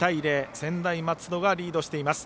専大松戸がリードしています。